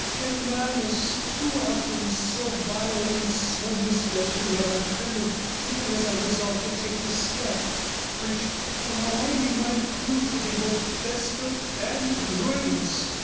Yet man is too often so vile 104 and so misjudging that I trembled even as I resolved to take this step, which, for all I knew, might prove to be both desperate and ruinous.'